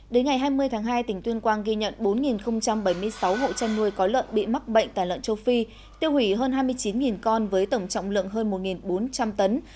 đến ngày hai mươi tháng hai tỉnh tuyên quang ghi nhận bốn bảy mươi sáu hộ chăn nuôi có lợn bị mắc bệnh tả lợn châu phi tiêu hủy hơn hai mươi chín con với tổng trọng lượng hơn một bốn trăm linh tấn